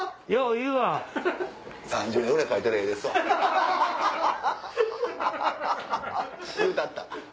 言うたった！